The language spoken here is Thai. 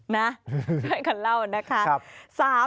ช่วยกันเล่านะคะ